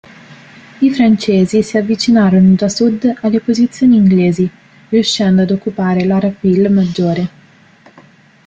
I francesi si avvicinarono da sud alle posizioni inglesi, riuscendo ad occupare l'Arapil maggiore.